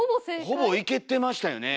ほぼいけてましたよね。